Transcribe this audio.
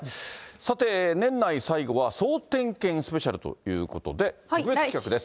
さて、年内最後は総点検スペシャルということで、特別企画です。